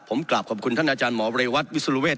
ผมกลับขอบคุณท่านอาจารย์หมอเรวัตวิสุรเวศ